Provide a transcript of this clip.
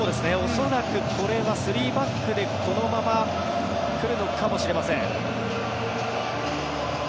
恐らくこれは３バックでこのまま来るのかもしれません。